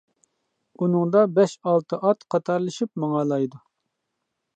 ئۇنىڭدا بەش، ئالتە ئات قاتارلىشىپ ماڭالايدۇ.